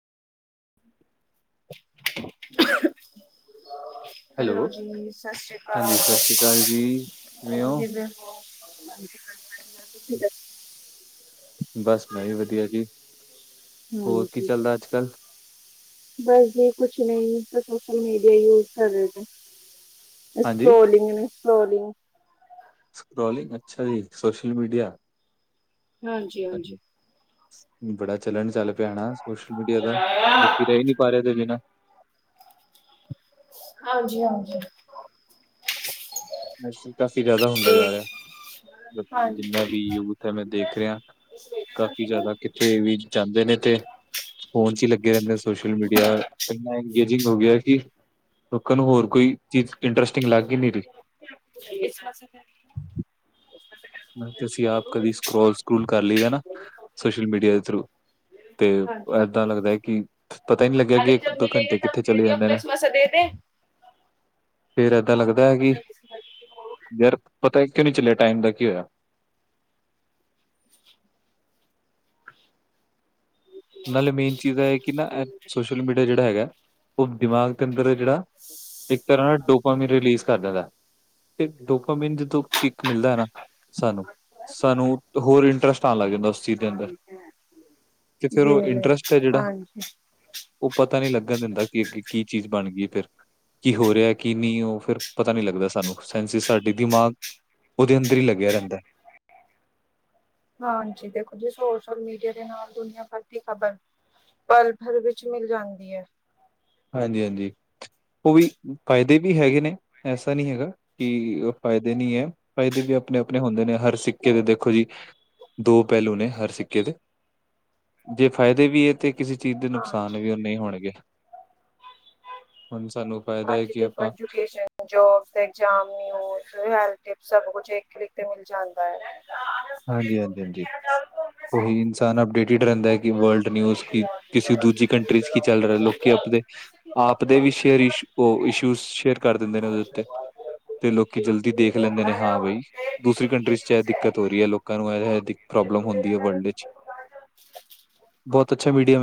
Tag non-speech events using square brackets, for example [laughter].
[inaudible] Hello ਜੀ ਸਤਿ ਸ੍ਰੀ ਅਕਾਲ ਕਿ ਹਾਂਜੀ ਸਤਿ ਸ਼੍ਰੀ ਅਕਾਲ ਜੀ, [unintelligible] ਕਿਵੇਂ ਹੋ ਜੀ ਤੁ [inaudible] ਬਸ ਮੈਂ ਵੀ ਵਧੀਆ ਜੀ, ਹੋਰ ਕੀ ਹਾਂਜੀ ਚੱਲਦਾ ਅੱਜ-ਕੱਲ? ਬਸ ਜੀ ਕੁਛ ਨਹੀਂ ਤਾਂ ਸੋਸ਼ਲ ਮੀਡੀਆ ਯੂਜ ਕਰ ਰਹੇ। ਹਾਂਜੀ, ੍ਰੋਲਿੰਗੋਲਿੰਗ [inaudible] ਸਕ੍ਰੋਲਿੰਗ, ਅੱਛਾ ਜੀ! Social media. ਹਾਂਜੀ ਹਾਂਜੀ। ਬੜਾ ਚੱਲਣ ਚੱਲ ਪਿਆ ਹਨਾਂ, ਸੋਸ਼ਲ ਮੀਡੀਆ ਦਾ, ਬਾਕੀ ਰਹਿ ਨੀ ਪਾ ਰਿਹਾ ਇਤੇ ਬਿਨਾਂ। ਹਾਂਜੀ-ਹਾਂਜੀ। ਨਸ [unintelligible] ਕਾਫ਼ੀ ਜ਼ਿਆਦਾ ਤੇ ਹੁੰਦਾ ਜਾ ਰਿਹਾ ਹਾਂਜੀ। ਜਿੰਨਾ ਵੀ ਯੂਥ ਹੈ ਮੈਂ ਦੇਖ ਰਿਹਾ, ਕਾਫੀ ਹਾਂਜੀ। ਜ਼ਿਆਦਾ। ਕਿੱਥੇ ਵੀ ਜਾਂਦੇ ਨੇ ਤੇ ਫੋਨ 'ਚ ਹੀ ਲੱਗੇ ਰਹਿੰਦੇ ਸੋਸ਼ਲ ਮੀਡੀਆ, ਇੰਨਾ ਇੰਗੇਜਿੰਗ ਹੋ ਗਿਆ ਕਿ ਲੋਕਾਂ ਨੂੰ ਹੋਰ ਕੋਈ ਚੀਜ਼ ਇੰਟਰਸਟਿੰਗ ਲੱਗ ਈ ਨੀ ਰਈ। [inaudible] ਮੈਂ ਅਸੀਂ ਆਪ ਕਦੇ ਸਕਰੋਲ-ਸਕਰੂਲ ਕਰ ਲਈਦਾ ਨਾ ਸੋਸ਼ਲ ਮੀਡੀਆ ਦੇ ਥਰੂ। ਤੇ ਏਦਾਂ ਲੱਗਦਾ ਹੈ ਕਿ ਪਤਾ ਹੀ ਨਹੀਂ ਲੱਗਿਆ ਕਿ ਇੱਕ- ਦੋ ਘੰਟੇ ਕਿੱਥੇ ਚਲੇ ਜਾਂਦੇ ਨੇ? ਫੇਰ ਏਦਾਂ ਲੱਗਦਾ ਹੈ ਕਿ ਯਾਰ ਪਤਾ ਕਿਉਂ ਨਹੀ ਚੱਲਿਆ ਟਾਈਮ ਦਾ ਕੀ ਹੋਇਆ। [inaudible] ਨਾਲੇ ਮੇਨ ਚੀਜ਼ ਇਹ ਕਿ ਨਾ ਸੋਸ਼ਲ ਮੀਡੀਆ ਜਿਹੜਾ ਹੈਗਾ। ਉਹ ਦਿਮਾਗ ਦੇ ਅੰਦਰ ਜਿਹੜਾ, ਇੱਕ ਤਰ੍ਹਾਂ ਨਾਲ ਡੋਪਾਂ ਵੀ ਰਿਲੀਜ਼ ਕਰ ਦਿੰਦਾ। ਤੇ ਡੋਪ ਬਿੰਨ ਜਦੋਂ ਕਿੱਕ ਮਿਲਦਾ ਹੈ ਨਾ ਸਾਨੂੰ। ਸਾਨੂੰ ਹੋਰ ਇੰਟਰਸਟ ਆਉਣ ਲੱਗ ਜਾਂਦਾ ਉਸ ਚੀਜ਼ ਦੇ ਅੰਦਰ। ਤੇ ਫਿਰ ਉਹ ਗਿਣਲੇ ਇੰਟਰਸਟ ਹੈ ਜਿਹੜਾ। ਹਾਂਜੀ। ਉਹ ਪਤਾ ਨੀ ਲੱਗਣ ਦਿੰਦਾ ਕਿ ਅੱਗੇ ਕੀ ਚੀਜ਼ ਬਣ ਗਈਏ ਫਿਰ। ਕੀ ਹੋ ਰਿਹਾ ਕੀ ਨਹੀਂ ਉਹ ਫਿਰ ਪਤਾ ਨਹੀਂ ਲੱਗਦਾ ਸਾਨੂੰ। ਸੈਂਸਿਸ ਸਾਡੇ ਦਿਮਾਗ ਉਹਦੇ ਅੰਦਰ ਹੀ ਲੱਗਿਆ ਰਹਿੰਦਾ। ਹਾਂਜੀ। ਦੇਖੋ ਜੀ, ਸੋਸ਼ਲ ਮੀਡੀਆ ਦੇ ਨਾਲ ਦੁਨੀਆਂ ਭਰ ਦੀ ਖ਼ਬਰ। ਪਲ ਭਰ ਵਿੱਚ ਮਿਲ ਜਾਂਦੀ ਹੈ। ਹਾਂਜੀ-ਹਾਂਜੀ ਉਹ ਵੀ ਫਾਇਦੇ ਵੀ ਹੈਗੇ ਨੇ ਐਸਾ ਨੀ ਹੈਗਾ। ਕਿ ਫਾਇਦੇ ਨੀ ਹੈ। ਫਾਇਦੇ ਵੀ ਆਪਣੇ-ਆਪਣੇ ਹੁੰਦੇ ਨੇ ਹਰ ਸਿੱਕੇ ਦੇ ਦੇਖੋ ਜੀ। ਦੋ ਪਹਿਲੂ ਨੇ ਹਰ ਸਿੱਕੇ ਦੇ ਜੇ ਫ਼ਾਇਦੇ ਵੀ ਹੈ ਤੇ' ਕਿਸੇ ਚੀਜ਼ ਦੇ ਨੁਕਸਾਨ ਹਾਂਜੀ ਵੀ ਉਨੇ ਹੀ ਹੋਣਗੇ। ਹੁਣ ਸਾਨੂੰ ਫਾਇਦਾ ਹੈ ਹਾਂਜੀ ਕਿ ਤੇ ਆਪਾਂ ਐਜੁਕੇਸ਼ਨ ਜੀ। ਜੋਬ, ਤੇਗਜ਼ਾਮ ਸਬ ਕੁਛ ਲਿਖ ਮਿਲ ਜਾਂਦਾ ਹੈ। ਹਾਂਜੀ-ਹਾਂਜੀ-ਹਾਂਜੀ ਉਹੀ ਇਨਸਾਨ ਅਪਡੇਟਿਡ ਰਹਿੰਦਾ ਹੈ ਕਿ ਵਰਲਡ ਨਿਊਜ਼ ਕੀ ਕਿਸੇ ਦੂਜੀ ਕੰਟਰੀਜ਼ ਕੀ ਚੱਲ ਰਿਹਾ ਲੋਕ ਆਪਦੇ ਆਪ ਦੇ ਵੀ ਸ਼ੇਅਰ ਉਹ ਇਸ਼ੂ ਸ਼ੇਅਰ ਕਰ ਦਿੰਦੇ ਨੇ ਉਹਦੇ ਉੱਤੇ ਤੇ'ਲੋਕੀ ਜਲਦੀ ਦੇਖ ਲੈਂਦੇ ਨੇ ਹਾਂ ਬਾਈ' ਦੂਸਰੀ ਕੰਟਰੀ ਚਾਹੇ ਦਿੱਕਤ ਹੋ ਰਹੀ ਲੋਕਾਂ ਨੂੰ ਇਹ ਪ੍ਰੋਬਲਮ ਹੁੰਦੀ ਹੈ। ਵਰਲਡ ਵਿੱਚ ਬਹੁਤ ਅੱਛਾ ਮੀਡੀਆ